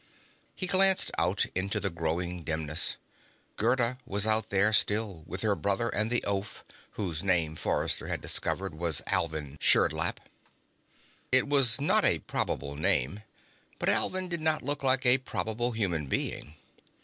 He glanced out into the growing dimness. Gerda was out there still, with her brother and the oaf whose name, Forrester had discovered, was Alvin Sherdlap. It was not a probable name, but Alvin did not look like a probable human being.